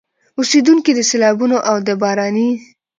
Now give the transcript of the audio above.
اوسېدونکي د سيلابونو او د باراني